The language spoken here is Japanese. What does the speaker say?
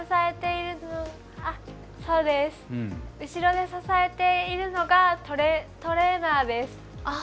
後ろで支えているのがトレーナーです。